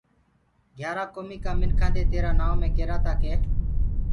گھيآرآ ڪوميٚ ڪآ منکآنٚ دي تيرآ نآئونٚ مي ڪيرآ تآ ڪي